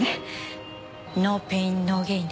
「ノーペインノーゲイン」です。